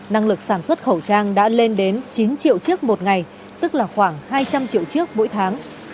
năng lực sản xuất khẩu trang đã lên đến chín triệu chiếc một ngày tức là khoảng hai trăm linh triệu chiếc mỗi tháng